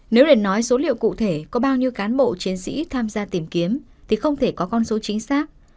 nếu để nói số liệu cụ thể có bao nhiêu cán bộ chiến sĩ tham gia tìm kiếm thì không thể có con số chính xác